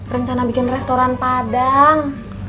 rencana bikin restoran padang